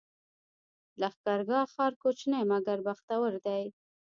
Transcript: لښکرګاه ښار کوچنی مګر بختور دی